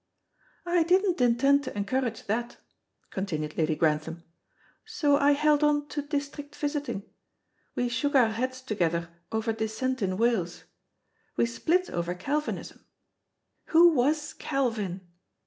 "I didn't intend to encourage that," continued Lady Grantham; "so I held on to district visiting. We shook our heads together over dissent in Wales. We split over Calvinism who was Calvin?